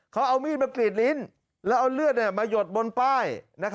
เขาเอามีดมากรีดลิ้นแล้วเอาเลือดมาหยดบนป้าย